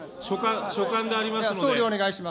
所管でありますので。